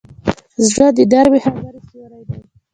زړه د نرمې خبرې سیوری دی.